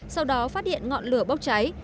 sau đó phát hiện ngọn lửa bốc cháy